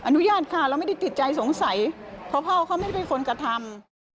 อนุญาตค่ะเราไม่ได้ติดใจสงสัยเพราะพ่อเขาไม่ได้เป็นคนกระทำ